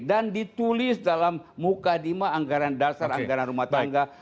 dan ditulis dalam mukaddimah anggaran dasar anggaran rumah tangga